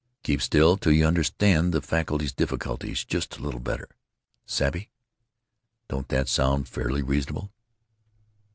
Keep still till you understand the faculty's difficulties just a little better. Savvy? Don't that sound fairly reasonable?"